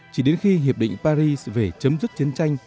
chỉ đến khi hiệp định paris về chấm dứt chiến tranh